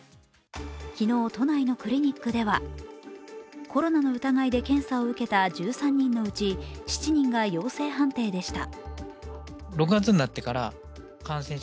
昨日、都内のクリニックではコロナの疑いで検査を受けた１３人のうち７人が陽性判定でした。